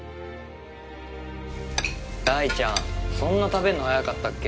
大ちゃんそんな食べんのはやかったっけ？